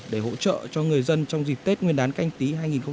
để hỗ trợ cho người dân trong dịp tết nguyên đán canh tí hai nghìn hai mươi